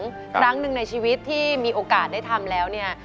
ครั้งหนึ่งในชีวิตที่มีโอกาสได้ทำแล้วเนี่ย